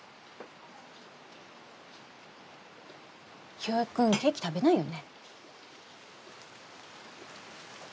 清居君ケーキ食べないよね？